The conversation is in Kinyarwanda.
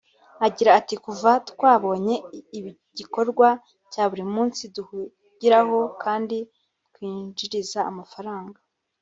Agira ati “Kuva twabonye igikorwa cya buri munsi duhugiraho kandi kitwinjiriza amafaranga